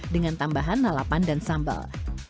dengan tambahan lalapan dan sambal